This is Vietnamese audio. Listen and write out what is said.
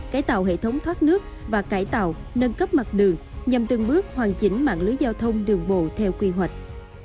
cải tạo hệ thống thoát nước và cải tạo nâng cấp mặt đường nhằm từng bước hoàn chỉnh mạng lưới giao thông đường bộ theo quy hoạch